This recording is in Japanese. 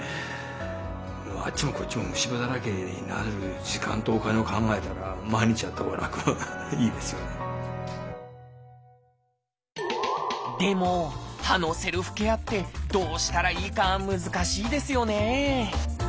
あっちもこっちも虫歯だらけになるでも歯のセルフケアってどうしたらいいか難しいですよね。